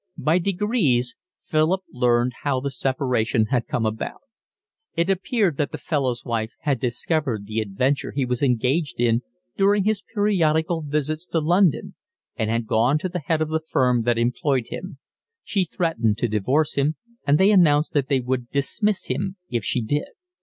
By degrees Philip learned how the separation had come about. It appeared that the fellow's wife had discovered the adventure he was engaged in during his periodical visits to London, and had gone to the head of the firm that employed him. She threatened to divorce him, and they announced that they would dismiss him if she did.